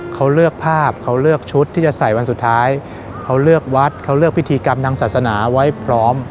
เขาเลือกภาพเขาเลือกชุดที่จะใส่วันสุดท้ายเขาเลือกวัดเขาเลือกพิธีกรรมทางศาสนาไว้พร้อม